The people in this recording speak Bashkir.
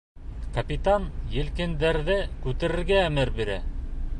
Капитан елкәндәрҙе күтәрергә әмер бирә.